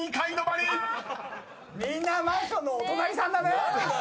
みんなマンションのお隣さんだね。